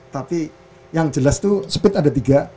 tapi yang jelas itu speed ada tiga